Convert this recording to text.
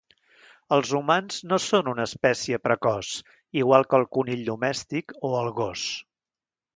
Els humans no són una espècie precoç, igual que el conill domèstic o el gos.